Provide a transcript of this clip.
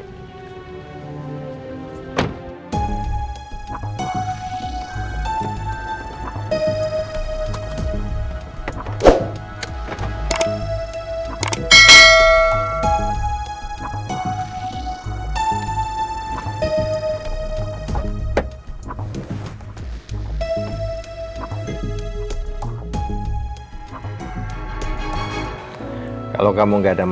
sirius mungkin kamu nab ordennya